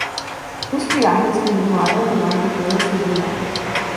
Sus viajes continuaron durante toda su vida.